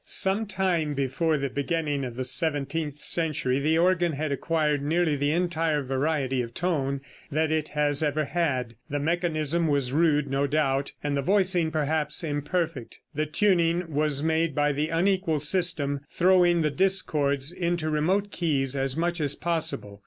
] Some time before the beginning of the seventeenth century the organ had acquired nearly the entire variety of tone that it has ever had. The mechanism was rude, no doubt, and the voicing perhaps imperfect. The tuning was by the unequal system, throwing the discords into remote keys as much as possible.